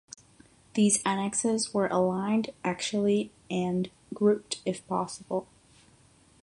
These annexes were aligned axially and grouped, if possible.